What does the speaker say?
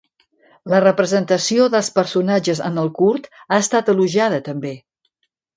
La representació dels personatges en el curt ha estat elogiada també.